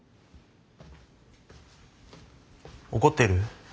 怒ってる？